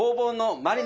マリネ！